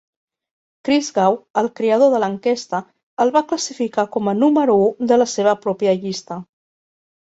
Christgau, el creador de l'enquesta, el va classificar com a número u de la seva pròpia llista.